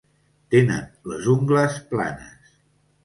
Tenen les ungles planes.